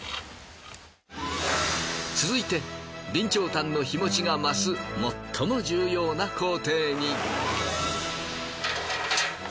続いて備長炭の日持ちが増す最も重要な工程に。